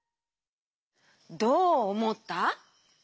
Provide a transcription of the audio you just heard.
どうおもった？